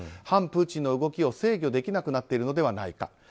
反プーチンの動きを制御できなくなっているのではないか。